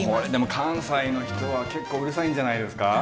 関西の人は結構うるさいんじゃないですか？